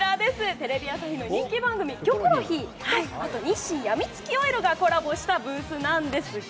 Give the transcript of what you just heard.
テレビ朝日の人気番組「キョコロヒー」と日清やみつきオイルがコラボしたブースですが。